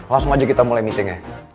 langsung aja kita mulai meetingnya